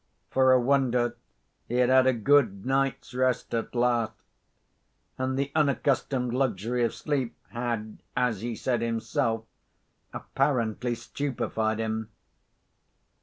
For a wonder, he had had a good night's rest at last; and the unaccustomed luxury of sleep had, as he said himself, apparently stupefied him.